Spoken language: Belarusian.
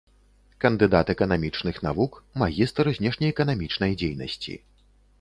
Кандыдат эканамічных навук, магістр знешнеэканамічнай дзейнасці.